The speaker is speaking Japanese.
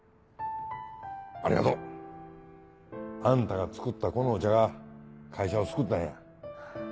ありがとう。あんたが作ったこのお茶が会社を救ったんや。